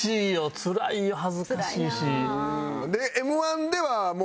つらい恥ずかしいし。